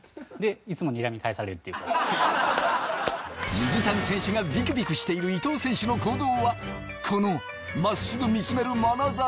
水谷選手がビクビクしている伊藤選手の行動はこの真っすぐ見つめるまなざし。